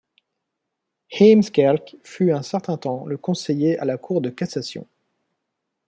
Heemskerk fut un certain temps le conseiller à la Cour de cassation.